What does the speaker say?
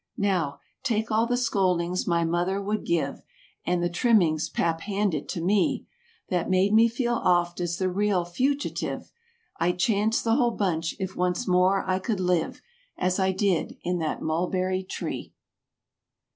Now, take all the scoldings my mother would give. And the trimmings pap handed to me. That made me feel oft as the real fugitive; Fd chance the whole bunch if once more I could live As I did in that mulberry tree.